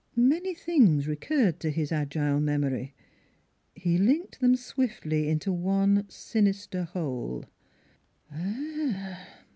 Many things recurred to his agile memory. He linked them swiftly into one sinister whole.